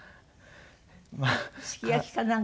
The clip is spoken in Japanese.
すき焼きかなんか？